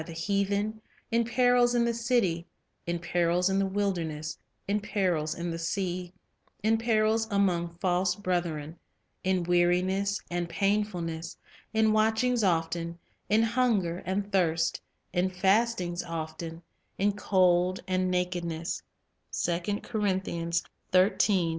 68 , J// list rations the heathen, in perils in the city, in perils in the wilder ness, in perils in the sea, in perils among false brethren; in weariness and painfulness, in watchings often, in hunger and thirst, in fastings often, in cold and naked ness."